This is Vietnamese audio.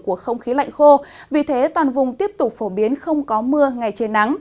của không khí lạnh khô vì thế toàn vùng tiếp tục phổ biến không có mưa ngày trời nắng